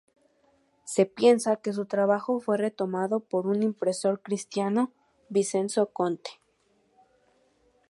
Se piensa que su trabajo fue retomado por un impresor cristiano, Vicenzo Conte.